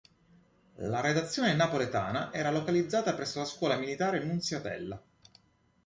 La redazione "napoletana" era localizzata presso la Scuola Militare Nunziatella.